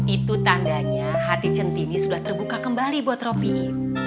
itu tandanya hati centini sudah terbuka kembali buat rofii ⁇